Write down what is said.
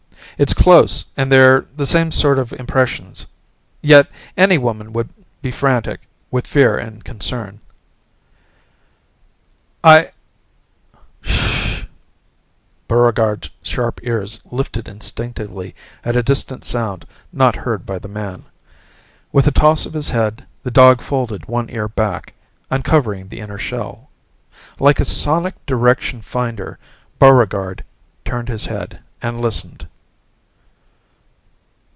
It's close and they're the same set of impressions Yet, any woman would be frantic with fear and concern." "I ... shhh!" Buregarde's sharp ears lifted instinctively at a distant sound not heard by the man. With a toss of his head, the dog folded one ear back, uncovering the inner shell. Like a sonic direction finder, Buregarde turned his head and listened.